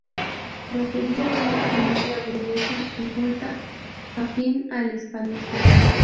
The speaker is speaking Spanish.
Procedía de una familia burguesa y culta afín al hispanismo.